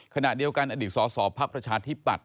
ขณะเดียวกันอดีตสอบภาพประชาธิบัติ